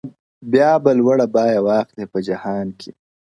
بیا به لوړه بیه واخلي په جهان کي.